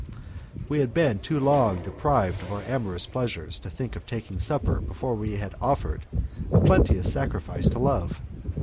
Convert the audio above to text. We had been too long deprived of our amorous pleasures to think of taking supper before we had offered a plenteous sacrifice to love.